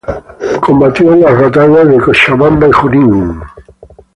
Combatió en las batallas de Cochabamba y Junín.